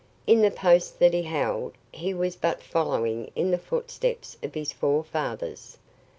In the post that he held, he was but following in the footsteps of his forefathers.